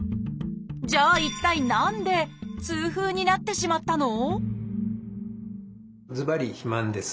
じゃあ一体何で痛風になってしまったの？